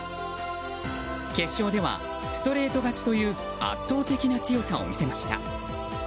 決勝ではストレート勝ちという圧倒的な強さを見せました。